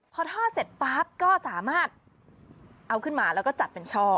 พอท่อเสร็จปั๊บก็สามารถเอาขึ้นมาแล้วก็จัดเป็นช่อ